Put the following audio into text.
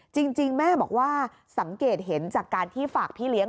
จริงแม่บอกว่าสังเกตเห็นจากการที่ฝากพี่เลี้ยง